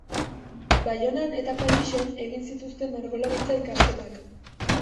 Baionan eta Parisen egin zituen margolaritza-ikasketak.